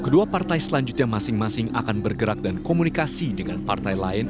kedua partai selanjutnya masing masing akan bergerak dan komunikasi dengan partai lain